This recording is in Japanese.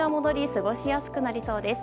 過ごしやすくなりそうです。